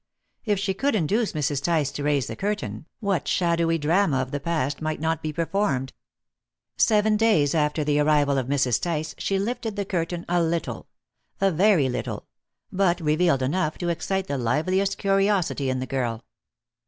If she could induce Mrs. Tice to raise the curtain, what shadowy drama of the past might not be performed! Seven days after the arrival of Mrs. Tice she lifted the curtain a little a very little but revealed enough to excite the liveliest curiosity in the girl.